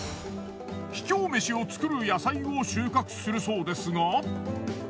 秘境めしを作る野菜を収穫するそうですが。